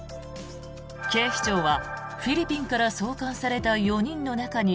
警視庁は、フィリピンから送還された４人の中に